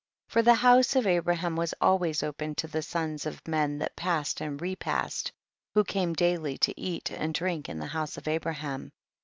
12 For the house of Abraham was always open to the sons of men that passed and repassed, who came daily to eat and drink in the house of Abraham.